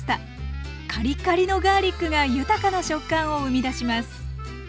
カリカリのガーリックが豊かな食感を生み出します。